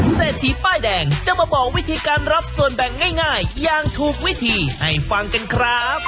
เศรษฐีป้ายแดงจะมาบอกวิธีการรับส่วนแบ่งง่ายอย่างถูกวิธีให้ฟังกันครับ